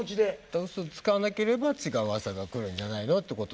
嘘つかなければ違う朝が来るんじゃないのってこと。